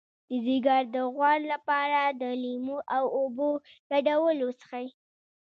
د ځیګر د غوړ لپاره د لیمو او اوبو ګډول وڅښئ